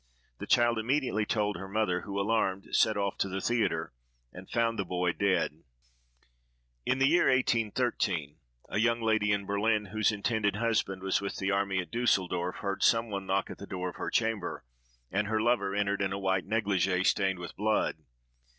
The child immediately told her mother, who, alarmed, set off to the theatre, and found the boy dead. In the year 1813, a young lady in Berlin, whose intended husband was with the army at Dusseldorf, heard some one knock at the door of her chamber, and her lover entered in a white negligé, stained with blood.